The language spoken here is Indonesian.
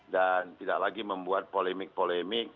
dan tidak lagi membuat polemik polemik